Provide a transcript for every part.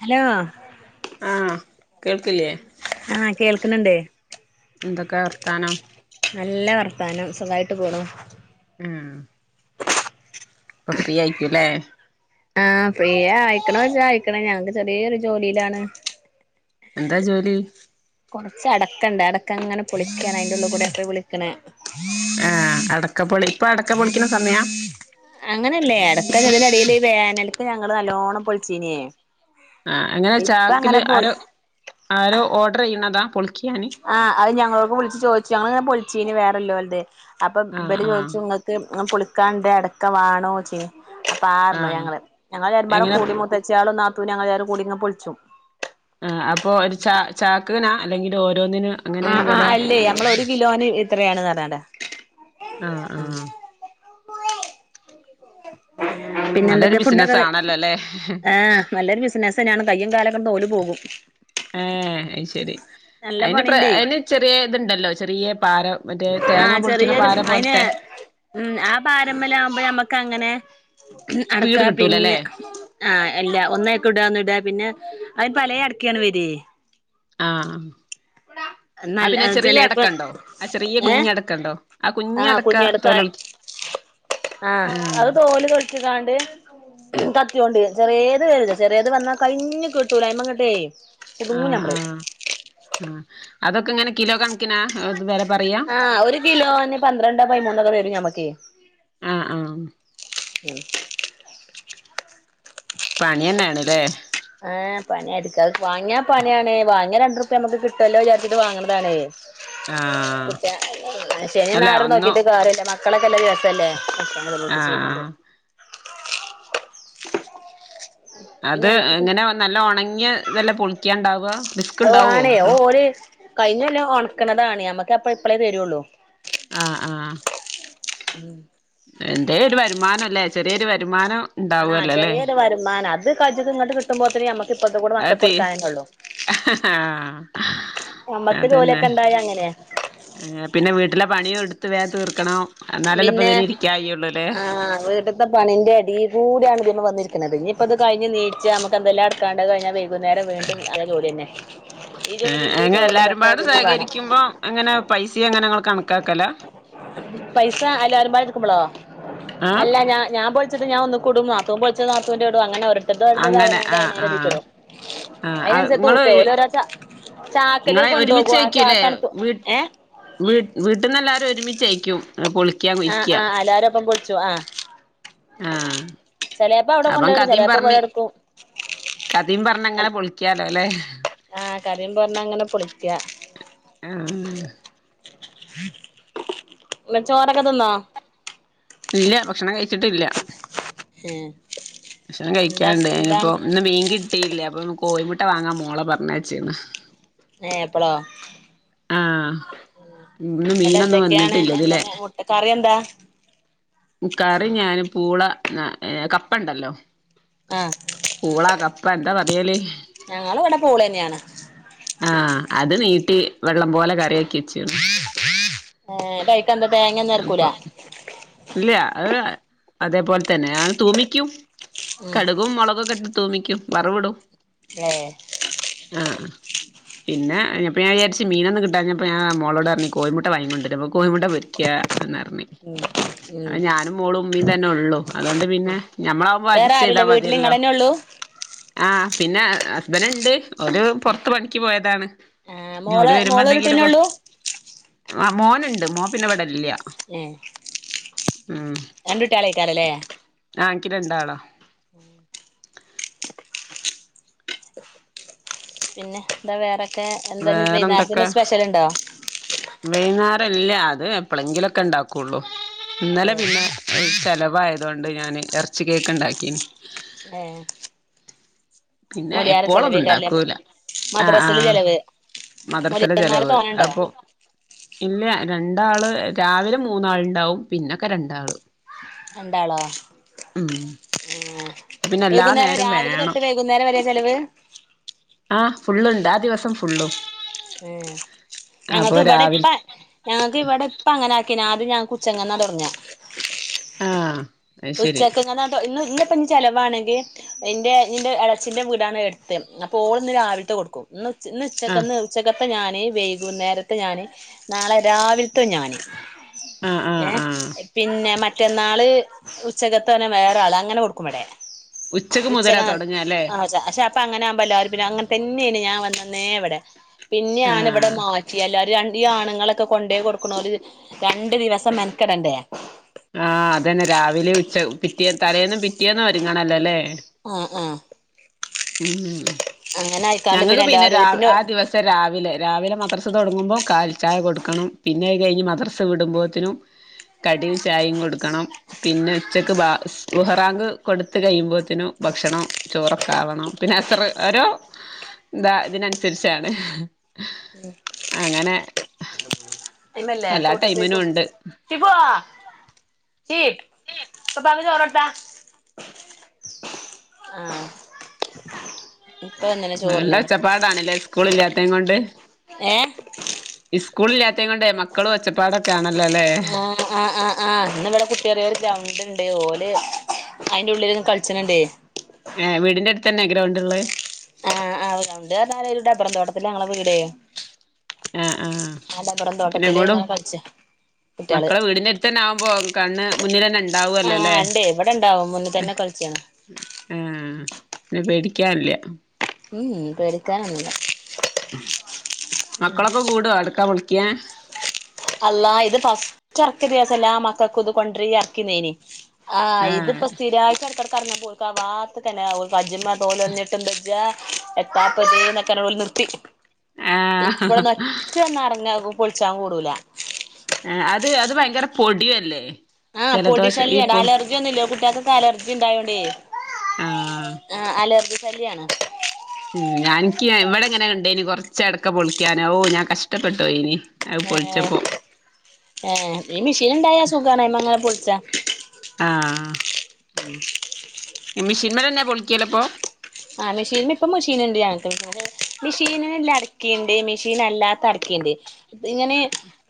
Hello ആ കേൾക്കില്ലിയേ ആ കേൾക്കണണ്ട് എന്തൊക്കെ വർത്താനം ത്താനം സുഖായിട്ട് പോണൂ ഉം ഇപ്പൊ ഫ്രീ ആയിരിക്കും അല്ലേ ആഹ് ഫ്രീ ആയിക്കണോ വെച്ചാ ആയിക്കണ്‌ ഞങ്ങക്ക് ചെറിയൊരു ജോലിയിലാണ് എന്താ ജോലി കൊറച്ച് അടക്കയുണ്ട് അട ക്കാ അങ്ങനെ പൊളിക്കാണ് അയിന്റെ ഉള്ളിൽ കൂടെയൊക്കെയാ വിളിക്കണേ ആഹ് അടക്കപ്പൊളി ഇപ്പൊ അടക്ക പൊളിക്കണ സമയാ അങ്ങനെയല്ലേ അടക്ക [unintelligible] വേനൽ ക്ക് ഞങ്ങള് നല്ലോണ്ണം പൊളിച്ചീനേ ആ എങ്ങനെ ചാക്കില് ആരോ ആരോ ഓർഡർ ചെയ്യുന്നതാ ആഹ് അത് ഞങ്ങളോ വുള്ച് ചോയ്ച്ചു ഞങ്ങളെങ്ങനെ പൊളിച്ചീനി വേറെല്ലോൽത് അപ്പം ആഹ് ഇബല്‌ ആഹ് ചോദിച്ചു ഇങ്ങക്ക് പൊളിക്കാണ്ട് അടക്ക വാണോ ച്ചീനി അപ്പൊ ആ റഞ്ഞു ആഹ് ഞങ്ങള് ഞങ്ങള് എല്ലാരും എങ്ങനെ കൂടി മൂത്തച്യേളും നാത്തൂ ത്തു ഞങ്ങളെ എല്ലാരും കൂടി ഇങ്ങെ പൊള്ച്ചും ഹ് അപ്പൊ ഒരു ച ചാക് ക്ക് നാ അല്ലെങ്കിൽ ഓ ആഹ് ആഹ് അല്ലേ നമ്മള് ഒരു കിലോന് എ ത്രയാണ് പറഞ്ഞാണ്ടാ ആഹ് ആഹ് [unintelligible] പിന്നെ നല്ലൊരു എന്തൊക്കെ ഫുഡൊക്കെ ബിസിനസ് കഴി ആണല്ലോ അല്ലേ ഏഹ് നല്ലൊരു ബിസിനസ്സ് തന്നെയാണ് കയ്യും കാലൊക്കെ തോല് പോകും [unintelligible] ഏ അയ് ശരി നല്ല അതിന് പ്ര പണിണ്ടേ അതിന് ചെറിയ ഇതുണ്ടല്ലോ ചെറിയ പാര മറ്റേ തേങ്ങ ആഹ് പൊളിക്കണ ചെറിയൊരു പാര അയിന് പോലത്തെ ക്ക അങ്ങനെ സ്പീഡ് അടക്കാ കിട്ടൂലല്ലേ പിന്നെ ആഹ് എല്ല ഒനൈക്ക് ഇട ഇട പിന്നെ അതിന് പല അടക്കാണ് വരേ ആ ഹാ ആ നല്ല പിന്നെ ചെറിയ ചെലേപ്പ അടക്കണ്ടോ ആ ചെറിയ കുഞ്ഞടക്കണ്ടോ ആ ആഹ കുഞ്ഞടക്ക കുഞ്ഞി അടക്കാ തോലൊളിക്ക ആഹ അത് ആഹ് തോല് പൊ ത്ത് കാണ്ട് കത്തി യോണ്ട് ചെറിയത് വരുല്ല ചെറിയത് വന്നാൽ കഴിഞ്ഞ് കിട്ടൂല ഐമെങ്ങട്ട് കുടു ങ്ങും ആഹ് ഞമ്മള് ആഹ് ആഹ് അതൊക്കെ ഇങ്ങനെ കിലോ കണക്കിനാ വെല പറയാ ആ ഒരു കിലോന് പന്ത്രണ്ടോ പൈമൂന്നോക്കെ വരും ഞമ്മക്ക് ഓക്കെ ആഹ ആഹ ഉ [inaudible] പണിയെന്നെണ് ല്ലേ ആഏ പണിയിരിക്കാ വാങ്ങാ പണിയാണ് അങ്ങന രണ്ട് ഉർപ്യ ഞമ്മക്ക് കിട്ടല്ലോ ന്ന് വിചാരിച്ചിട്ട് വാങ്ങണ് ആഹ് കുട്ട ശനി അല്ല ഞായറും ഒന്നു നോക്കിട്ട് കാര്യല്ല മ മക്കളക്കെല്ലാം ചെറുതല്ല തല ഒട്ട ചെയ്യണ്ട് ആഹ് [unintelligible] അത് പിന്നെ എങ്ങനെ നല്ല ഉണങ്ങിയ ഇതെല്ലാം പുളിക്കണ്ടാവുക റിസ്ക് ഉണ്ടാവുവോ കഴിഞ്ഞല്ലം ഉണക്കണതാണ് നമ്മക്ക് അപ്പ ഇപ്പഴേ തരുള്ളൂ ആഹ ആഹ ഉം [inaudible] എന്ത ഒരു വരുമാനം അല്ലേ ചെറിയൊരു വരുമാനം ആഹ ഇണ്ടാവല്ലോല്ലേ ചെറിയൊരു വരുമാനം അത് കജന്ന് ഇങ്ങട്ട് കിട്ടുമ്പോത്തിനു ഞമ്മക്ക് അ ആഹ നമ്മക്ക് അതന്നെ ജോലിയൊക്കെ ഇണ്ടായ അങ്ങനെ പിന്നെ വീട്ടിലെ പണിയ എടുത്ത് വേം തീർക്ക കണം പിന്നെ ആഹ വീട്ടത്തെ പണിന്റെ എടി കൂടിയാണ് ഇതിമൽ വന്നിരിക്കുന്നത് പിന്ന ഇപ്പ അത് കിഞ് നീച്ച് നമു എന്തൊല്ലം ഇടക്കാണ്ട് അതു കഴിഞ്ഞ ഈ ജോലിണ്ട് അങ്ങനെ ചോറും ഇതൊക്കെ എല്ലാരുംപാട് പിന്നിം വേണം സകരിക്കുമ്പോ അങ്ങനെ പൈസ അങ്ങനെങ്ങ കണക്കാക്കല [unintelligible] എടുക്കുമ്പോളോ അല്ല ഞാൻ ഞാ ൻ പൊളിച്ചത് ഞാൻ ഒന്നിക്കുടും നാത്തൂൻ പൊളിച്ചത് നാത്തൂന്റെ ഇടും അങ്ങനെ ഒരൊ അങ്ങനെ ആ ആഹ് ആ ഔ അതിനനുസരിച്ച് നിങ്ങള് തൂക്കെ ഓലോരോ ച ചാക്കില് നിങ്ങളെ കൊണ്ടോകും ആ ഒരുമിച്ചായ്ക്കൂല്ലേ ചാക്കാണ് തു വീട്ട് ഏ വീ വീട്ടിന്ന് എല്ലാരും ഒരുമിച്ചായ് ക്യും ആഹ് ആ അല്ലാരൊപ്പം പൊളി ച്ച് ആ ആ അപ്പം കൊണ്ടോയിടും കഥയും ചെലേപ്പോ ഇവിടെ പറഞ്ഞ് എടുക്കും കഥയും പറഞ്ഞങ്ങനെ അൽ പൊളിക്കാല്ലോ അല്ലെ ആഹ് കറിയും പറഞ്ഞ് അങ്ങനെ പൊളിക്ക ആ [unintelligible] ചോറൊക്കെ തിന്നോ ഇല്ല ഭക്ഷണം കഴിച്ചിട്ടില്ല എ ഭക്ഷണം കഴിക്കാൻണ്ട് ഐനിപ്പോ ന്ന് മീൻ കിട്ടിയില്ല പ്പൊന്ന് കോയി മുട്ട വാങ്ങാൻ മോളെ പർഞ്ഞായ്‌ചിന് ഏ പ്പളോ ആഹ് ഇന്ന് ങ്ങട് മീനൊന്നും എന്തൊക്കെയാണ് വന്നിട്ടില്ല എന്താ ഇതിലെ മു മുട്ട ക്കറി എന്താ? കറി ഞാന് പൂള ന്ന എ കപ്പ ണ്ടല്ലോ ആഹ് പൂളാ കപ്പ എന്താ പറയല്? ഞങ്ങള് ഇവിടെ പൂള് തന്നെയാണ് ആ അത് നീ ട്ടി വെള്ളം പോലെ കറിയാക്കി വെചീണ് ഹേ കൈ അപ്പൊ ഇല്ല്യ അആ അതേപോൽ തന്നെ ആ തൂമിക്കും ഉം കടുകും മൊളകു ക്കെ ഇട്ട് തൂമിക്കും വറുവിടും ഏഹ് ആ ആ പിന്നെ ഞ പ്പോ ഞായാര്ച്ച് മീനൊന്നും കിട്ടാഞ്ഞപ്പോ ഞാൻ ആ മോളോടർഞ് കോഴിമുട്ട വാങ്ങി കൊണ്ടര് അപ്പോ കോഴിമുട്ട പൊരി ക്ക്യാ എന്നർഞ്. ഉം അ ഉം ഞാനും മോളും ഉമ്മീം തന്നെള്ളു. അതോണ്ട് പിന്നെ ഞമ്മളാവുമ്പോ വേറെ അഡ്ജസ്റ്റ് യ്താ ആരുല്ല വീട്ടില് മതിയല്ലോ. ഇങ്ങളെന്നെ ഉള്ളൂ ആ പിന്നെ ഹസ്ബന്റൊണ്ട് ഓര് പൊറത്ത് പണിക്ക് പോയതാണ് ആ മോള് മോളൊരൂട്ടിയന്നെ ഒള്ളൂ ആ മോനുണ്ട് മോ പിന്നെവിടില്ല്യ ഏ രണ്ടുട്ടിയലയ്ക്കാലല്ലേ [unintelligible] ക്ക് രണ്ടാളാ ഉം പിന്നെ എന്താ വേറെ മേ എന്താനി വേറെന്തൊക്കെ വൈനേരത്തിന് സ്പെഷ്യലുണ്ടോ ഇല്ല്യ അത് എപ്പളെങ്കിലൊക്കെ ഉണ്ടാക്കൊള്ളൂ ഇന്നലെ പിന്നെ ചെലവായതുകൊണ്ട് ഞാന് എറച്ചി കേക്ക് ഉണ്ടാക്കീ ഏ പിന്നെ മോല്യാര് എപ്പോളൊന്നും ചെലവേക്കാറില്ല മദ്രസേല് ചെലവ് മദ്രസേലെ മൂല്യന്മാര് ചെലവ് തോനെണ്ടോ അപ്പൊ ഇല്ല രണ്ടാള് രാവിലെ മൂന്നാളിണ്ടാവും പിന്നൊക്കെ രണ്ടാള് രണ്ടാളോ ഉം ആ പിന്നെ എല്ലാ വൈകുന്നേരം നേരം രാവിലെ വേണം തൊട്ട് വൈകുന്നേരം വരെയാ ചെലവ് ഫുളളുണ്ട് ആ ദിവസം ഫുള്ളും ഏ അപ്പൊ ഞങ്ങക്ക് ഇവിടെ ഇപ്പ രാവിലെ ഞങ്ങക്ക് ഇവിടെ ഇപ്പ അങ്ങനെ ആക്കി ആദ്യം ഞ കുച്ചങ്ങ തൊടങ്ങാ ആ ഉച്ചക്കങ്ങനാട്ടോ ഇന്ന് ഇന്ന് പ്പൊ ഇന്ന് ചെലവാണെങ്കിൽ എന്റെ നിന്റെ എളയേച്ചീന്റെ വീടാണ് അടുത്ത് അപ്പൊ ഓളിന്ന് രാവിലത്തെ കൊടുക്കും ഇന്ന് ന്ന് ഇന്ന് ആഹ് ഉച്ചക്കന്ന് ഉച്ചക്ക പ്പ ഞാന് വൈകൂന്നേരത്തെ ഞാന് നാളെ രാവിലത്തും ഞാന് ആഹ് ഏ ആഹ് ആഹ് പിന്നെ മറ്റന്നാള് ഉച്ചകത്തെന്നെ വേറെ ആൾ അങ്ങനെ കൊടുക്കും വടെ മുതലാ ഉച്ചക്ക് തുടങ്ങല്ലേ ആ പക്ഷെ അപ്പ അങ്ങനെ ആവുമ്പല്ലാരും പിന്നെ അങ്ങനെതന്നെ [unintelligible] ന്നേ വിടെ പിന്നെയാണ് ഇവിടെ ആഹ് മാറ്റി [unintelligible] ഈ ആണുങ്ങളൊക്കെ കൊണ്ടയ്കൊടുക്ക്ണോല് രണ്ടു ദിവസം മെൻക്കടണ്ടേ ആ അത് തന്നെ രാവിലെ ഉച്ച പിറ്റേ തലേന്നും പി റ്റേന്നും ഒരുങ്ങണല്ലോല്ലേ ആ ആ ഉം അങ്ങനെ ആയിക്കാണ്ട് ഞങ്ങക്ക് പിന്നെ എല്ലാരും ആ പിന്നെ ദിവസം രാവിലെ രാവിലെ മദ്രസ് തുടങ്ങുമ്പോ കാൽ ചായ കൊടുക്കണം പിന്നെ അത് കഴിഞ്ഞ് മദ്രസ വിടുമ്പോത്തിനും കടിയും ചായയും കൊടുക്കണം പിന്നെ ഉച്ചക്ക് ബാ ളുഹറാങ്ക് കൊടുത്ത് കഴിയുമ്പോത്തിനും ഭക്ഷണം ചോറ ആവണം പിന്നെ അസർ ഓരോ ന്താ ഇതിനനുസരിച്ചാണ് അങ്ങനെ പിന്നല്ലെ എല്ലാ തോട്ട് ടൈമിനും ക്കേക്കും ഉണ്ട് സിവോ ചോറൊട്ത്ത ആ നല്ല ഒച്ചപ്പാടാണല്ലേ സ്കൂളില്ലാ ത്തേ കൊണ്ട് ഏ സ്കൂളില്ലാത്തേ കൊണ്ട് മക്കളും ഒച്ചപ്പാടൊക്കെ ആണല്ലോ അല്ലേ ആ ആ ആ ആ ഇന്ന് ഇവിടെ [unintelligible] ഒരു ഗ്രൗണ്ട്ണ്ട് ഓലെ അയിന്റെ ഉള്ളിലിരുന്ന് കളിച്ചണണ്ടേ. ഏ വീടിന്റെ അടുത്ത് തന്നെ ഗ്രൗണ്ട് ഉള്ളേ? ആ ആ ഗ്രൗണ്ട്റഞാൽ ഡബ്ബർ തോട്ടത്തിലാ ഞങ്ങളെ വീടേ. ആ ആ ആ ഡബ്ബറും പിന്നെ തോട്ടത്തില് എങ്ങോടും ഇങ്ങനെ കളിച്ചാ കുട്ടികള് മക്കളെ വീടിന്റെ അടുത്ത് തന്നെ ആവുമ്പോ കണ്ണ് മുന്നിലന്നണ്ട്. ആഹ് ഉണ്ടാവല്ലോല്ലേ? ഇണ്ടേ ഇവിടെ ഇണ്ടാവും മുന്നിൽ തന്നെ കളിച്ചാണ് ആ പിന്നെ പേടിക്കായില്ല. മ് മക്കളൊക്കെ കൂടുവോ അടക്ക പൊളിക്കാൻ? ക്യാ അള്ളാ ഇത് ഫസ്റ്റ് എറക്കിയ ദിവസല്ലെ ആ മക്കൾക്ക് ഇത് കൊണ്ടരി എറക്കി ന്നേനി ആ ഇത് ഇപ്പോ സ്ഥിരായിട്ട് [unintelligible] [unintelligible] കജ്മ്മ തോലൊളിഞ്ഞിട്ടും വെജ്ജാ. എത്താപ്പത് [unintelligible] നിർത്തി. ആ ഇപ്പഴന്ന് ഒറ്റ [unintelligible] പൊളിച്ചാൻ കൂടുല. ആ അത് അത് ഭയങ്കര പൊടിയല്ലേ? ആ പൊടി ജലദോഷം ഈ ശല്യം പൊ അലർജിയൊന്നുംല്ലോ കുട്ടികക്ക് [unintelligible] അലർജി ഉണ്ടായോണ്ടേ ആ ആ അലർജി അലർജിയാണാ? ഉം ഞാനിക്ക് ഇവിടെ എങ്ങനെ ഒണ്ടേനി കൊറച്ചടക്ക പൊളിക്കാന ഓ ഞാൻ കഷ്ടപ്പെട്ടോയിനി. ഏ ഏ ഈ മെഷീൻ ഉണ്ടായാ സുഖാണ് അയിൻമേ അങ്ങനെ പൊ ആ മിഷീൻമേലെന്നെ പൊളിക്കല് അപ്പൊ? ആ മെഷീന് ഇപ്പൊ മിഷീൻണ്ട് ഞങ്ങക്ക് മിഷീനില് അടക്കയുണ്ട്. മിഷീനല്ലാത്ത അടക്കയുണ്ട്. ഇങ്ങനെ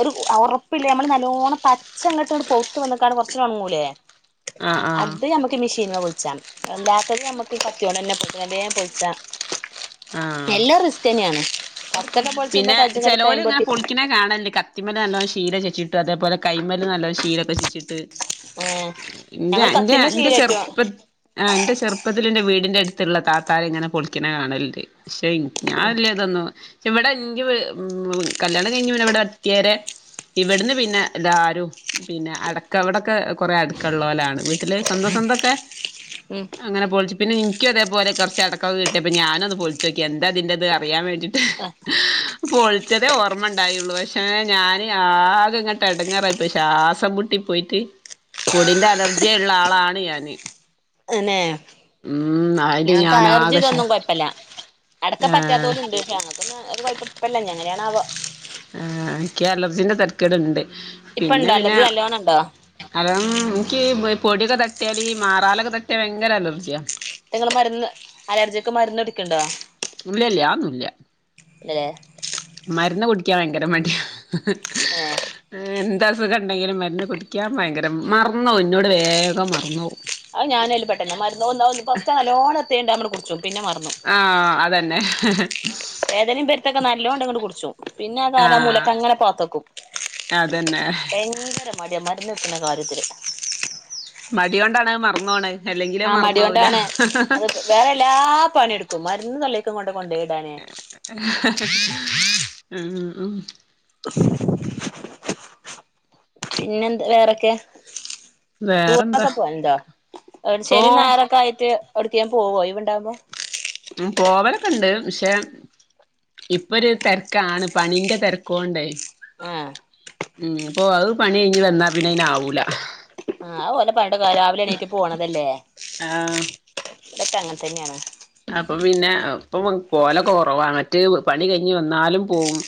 ഒരു ഒറപ്പില്ലേ. മ്മള് നല്ലോണം പച്ചങ്ങോട്ട് ങ്ങട് പൂത്ത് വന്നക്കാ കൊറച്ചൂടെ ഒണങ്ങൂലേ. ആ ആ അത് നമ്മക്ക് മിഷീനാ പൊ [unintelligible] അല്ലാത്തത് നമുക്ക് കത്തിയോണ്ട് തന്നെ പൊ [unintelligible] പൊളിച്ചാ ആ എല്ലാം റിസ്ക് തന്നെയാണ് ഫസ്റ്റൊക്കെ പൊളിച്ചുമ്പോ പിന്നെ കജ്ജ് ഇങ്ങട്ട് ചെലോല് ഇങ്ങനെ തേയ്മ്പൊട്ടി പൊളിക്കണേ കാണല് കത്തിമേല് [unintelligible] ചീര ചുച്ചീട്ടും അതപോലെ കൈമേല് നല്ല ശീലോക്കെ ചുറ്റീട്ട് ഏ ഇന്റെ ഞങ്ങള് അന്റെ കത്തിമ്മെ അന്റെ ശീലായിട്ടോ ചെറുപ്പ അന്റെ ചെറുപ്പത്തിൽ എന്റെ വീടിന്റെ അടു തിലുള്ള [unintelligible] ഇങ്ങനെ പൊളിക്കല് കാണലുണ്ട്. [unintelligible] ഉം ഞാനല്ലേ ഇതൊന്നും ഇവിടെ എനി കല്യാണം കഴിഞ്ഞു പിന്നെ ഇവിടെ അട്ടയേറെ ഇവിടുന്ന് പിന്നെ എല്ലാരും പിന്നെ അടക്ക അവിടെക്കെ കൊറെ അടക്ക ഉള്ളോ രാണ് ല് സ്വന്തം സ്വന്തൊക്കെ ഉം അങ്ങനെ പോളിച്ച് പിന്നെ ക്കും അതപോലെ കുറച്ച് അടക്കൊകെ കിട്ടിയപ്പോ ഞാന് അത് പൊ ച്ചക്ക് എന്താ അതിന്റെ അറിയാൻ വേ ണ്ടിട്ട് പ്പൊളിച്ചതേ ഓർമ്മ ഇണ്ടായിള്ളു പക്ഷെ ഞാന് ആകെ ഇങ്ങട്ട് എടങ്ങാറായിപ്പ ശ്വാസംമുട്ടിപോയിട്ട് പൊടിന്റെ അലർജിയള്ള ആളാണ് ഞാന് അന്നെ ഉം അയില് ഞങ്ങക്ക് ഞാൻ അലർജി ആകെ ശ്വാ ഇതൊന്നും കോയപ്പല്ല അടക്ക പറ്റാത്ത ഏഹ് പോലും ഇണ്ട് പക്ഷെ ക്ക്ന്ന അത് കുഴപ്പില്ല ഞ നെണാവോ ആ എൻക്ക് അലർജിന്റെ തെരക്കേട് ഇണ്ട് ഇപ്പ പിന്നെ ഇണ്ടോ പിന്നെ അലർജി നല്ലോണം ഇണ്ടോ കാരണം ഇൻക്ക് പൊടിക്കെ തട്ടിയാല് മാറാലൊക്കെ തട്ടിയാ ഭയങ്കര അലർജിയാ നിങ്ങള് മര്ന്ന് അലർജിക്ക് മരുന്ന് കുടിക്ക്ണ്ടോ ഇല്ലല്ല അഒന്നുല്ല [unintelligible] മരുന്ന് കുടിക്കാന് ങ്കര മടിയാ ഏഹ് എന്ത സുഖം ഉണ്ടെങ്കിലും മരുന്ന് കുടിക്കാൻ ഭയങ്കര മറന്നോവും ഇന്നോട് വേഗം മറന്നോവും അഹ് ഞാനും അയ്ല് പെട്ടെന്നെ [unintelligible] നല്ലോണം പ്രതേകം ണ്ടാവുമ്പൻഡ് കു ആ അതന്നെ. വേദനേം പെര്ത്തൊക്കെ നല്ലോം ണ്ടെങ്കണ്ട് കുട്ച്ചും പിന്നെ ആ കാല ആഹ് മൂലക്കങ്ങനെ പാത്തക്കും അതന്നെ ഭയങ്കര മടിയാ മ [unintelligible] കാര്യത്തില് മടി ഓണ്ടാണഹ് മറന്നോണഹ് ആഹ് മടി കൊണ്ടാണ് അത് വേറെ എല്ലാ പണിയെടുക്കും മരുന്ന് തലേ [unintelligible] കൊണ്ടെയ്ടാനേ ആ ഉം. പിന്നെ എന്ത് വേറെക്കെ? വേറെന്താ ടൂറിനൊക്കെ പോവലുണ്ടോ ഒരു ഓ ശനിം ഞായർ ഒക്കെ ആയിട്ട് എവിട്ക്കേം പോവോ ഒയിവ് ഇണ്ടാവുമ്പോ? ഉം പോവലൊക്കെണ്ട് പക്ഷെ ഇപ്പൊ ഒരു തെരക്കാണ് പണിൻ്റെ തെരക്കോണ്ടേ. ആഹ്. ഉം അപ്പൊ അത് പണി കഴിഞ്ഞ് വന്നാ പിന്നെ അയ്ന് ആവൂല. ആഹ് ഓലെ പറഞ്ഞിട്ട് കാര്യമില്ല രാവിലെ എണീറ്റ് പോണതല്ലേ ആഹ് ഇവിടൊക്ക അങ്ങനെ തന്നെയാണ് അപ്പൊ മറ്റ പണി കഴിഞ്ഞു വന്നാലും പോകും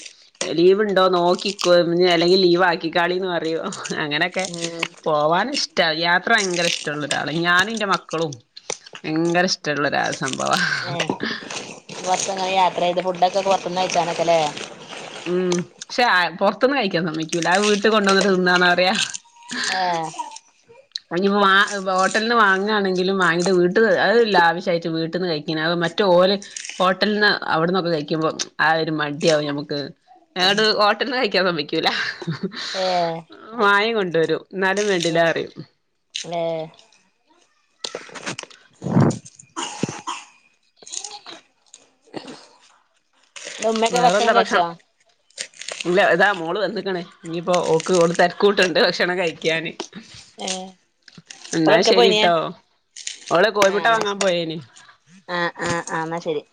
ലീവ് ഉണ്ടോ നോക്കിക്കോ അല്ലെങ്കിൽ ലീവ് ആക്കിക്കാളിന്ന് പറയും അങ്ങനെയൊക്കെ ഉം പോവാൻ യാത്ര ഭയങ്കര ഇഷ്ടമുള്ള ഒരാള ഞാനും എന്റെ മക്കളും ഭയങ്കര ഇഷ്ടമുള്ളരാ വാ ഏഹ് യാത്ര ചെയ്ത് ഫുഡ് ഒക്കെ പുറത്തിന്ന് കഴിച്ചാനൊക്കെയല്ലേ ഉം പക്ഷെ പുറത്തൊന്ന് കഴിക്കാൻ സമ്മക്കൂല അത് വീട്ടിൽ കൊണ്ടുവന്നിട്ട് തിന്നാന്ന പറയാ ഏഹ് അപ്പോ വാ ഹോട്ടലിൽ നിന്ന് വാങ്ങാണെങ്കിലും വാങ്ങിട്ട് വീട്ടന്ന് അ ലാവിശ്വാട്ട് വീട്ടിന്ന് കഴിക്കണ മറ്റേ ഓലെ ഹോട്ടലിൽ നിന്ന് അവിടന്നൊക്കെ കഴിക്കുമ്പോ ആ ഒരു മടിയാവും നമുക്ക് അതുകൊണ്ട് ഹോട്ടലിൽ നിന്ന് കഴിക്കാൻ സമ്മതിക്കൂല ഏഹ് വായ കൊണ്ട് ണ്ടൊരൂ എന്നാലും വേണ്ടില്ല അറിയും ആഹ് വേണ്ടല്ലോ അന്റെ ഉമ്മക്കെ ഭക്ഷണം കഴിച്ചോ ഇല്ല ഇതാ മോള് വന്ന്ക്ക്ണ് ഇനി ഇപ്പോ ഓൾക്ക് ഓള് തെരക്കൂട്ട്ണണ്ട് ഭക്ഷണം കഴിക്കാന് ഏഹ് എന്നാ ഓളെവ്ട്ക്കാ പോയിനിയെ ശെരിട്ടോ ഓള് കോഴി ആഹ് മുട്ട എന്നാ വാങ്ങാൻ ശരി പോയേന് ആഹ് ആഹ് ആഹ് എന്നാ ശരി